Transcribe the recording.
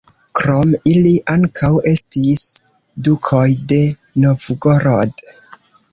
Krom ili ankaŭ estis dukoj de Novgorod.